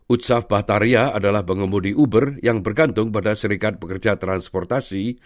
uthaf bahtaria adalah pengemudi uber yang bergantung pada serikat pekerja transportasi